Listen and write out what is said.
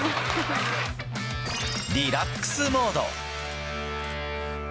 リラックスモード。